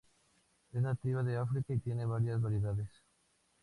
Es nativa de África y tiene varias variedades.